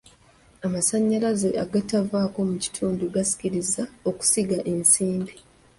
Amasannyalaze agatavaako mu kitundu gasikiriza okusiga ensimbi.